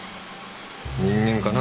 人間かな。